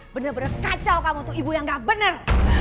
bener bener kacau kamu tuh ibu yang gak bener